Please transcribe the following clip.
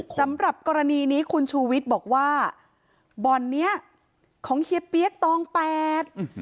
สำหรับกรณีนี้คุณชูวิทย์บอกว่าบ่อนเนี้ยของเฮียเปี๊ยกตองแปดอืม